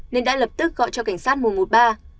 nên đã lập tức gọi cho cảnh sát mùa một ba